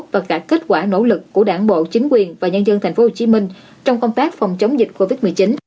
và cả kết quả nỗ lực của đảng bộ chính quyền và nhân dân thành phố hồ chí minh trong công tác phòng chống dịch covid một mươi chín